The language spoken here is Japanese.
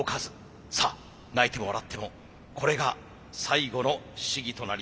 さあ泣いても笑ってもこれが最後の試技となります。